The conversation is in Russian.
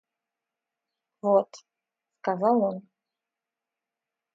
– Вот, – сказал он.